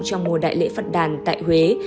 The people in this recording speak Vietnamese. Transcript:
trong mùa đại lễ phật đàn tại huế